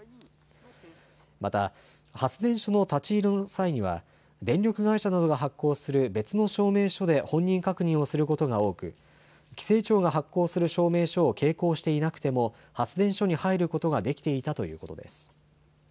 また発電所の立ち入りの際には電力会社などが発行する別の証明書で本人確認をすることが多く規制庁が発行する証明書を携行していなくても発電所に入ることができていたということです。